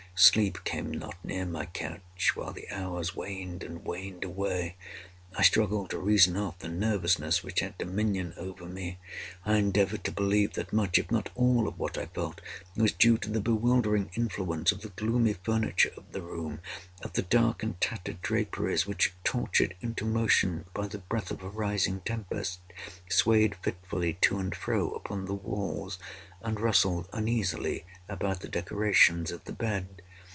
Sleep came not near my couch—while the hours waned and waned away. I struggled to reason off the nervousness which had dominion over me. I endeavored to believe that much, if not all of what I felt, was due to the bewildering influence of the gloomy furniture of the room—of the dark and tattered draperies, which, tortured into motion by the breath of a rising tempest, swayed fitfully to and fro upon the walls, and rustled uneasily about the decorations of the bed.